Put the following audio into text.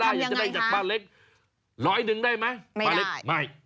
ทำยังไงคะอยากจะได้จัดป้าเล็กร้อยหนึ่งได้ไหมไม่ได้ป้าเล็กไม่